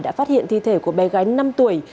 đã phát hiện thi thể của bé gái năm tuổi